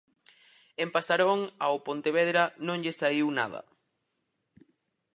En Pasarón ao Pontevedra non lle saíu nada.